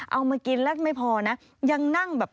เอามากินแล้วไม่พอนะยังนั่งแบบ